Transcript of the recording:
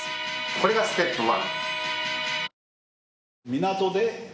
これがステップ１。